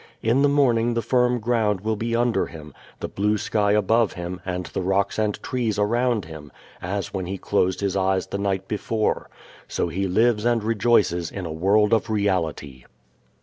In the morning the firm ground will be under him, the blue sky above him and the rocks and trees around him as when he closed his eyes the night before. So he lives and rejoices in a world of reality.